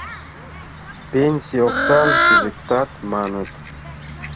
— Пенсий оксам кӱзыктат, маныт.